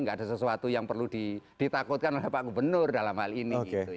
nggak ada sesuatu yang perlu ditakutkan oleh pak gubernur dalam hal ini